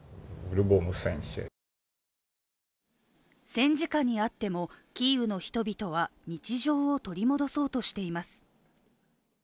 戦時下にあっても、キーウの人々は日常を取り戻そうとしています。